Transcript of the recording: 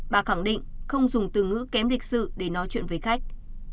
bà khẳng định không dùng từ ngữ kém lịch sự để nói chuyện với khách